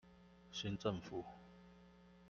新政府